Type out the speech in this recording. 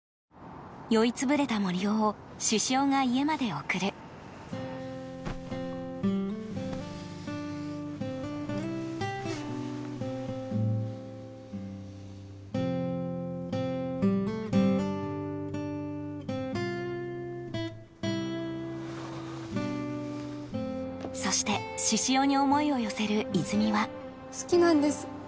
酔いつぶれた森生を獅子王が家まで送るそして獅子王に思いを寄せるイズミは好きなんです。